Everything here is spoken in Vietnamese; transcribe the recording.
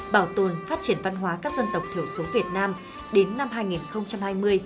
bảo tồn phát triển văn hóa các dân tộc thiểu số việt nam đến năm hai nghìn hai mươi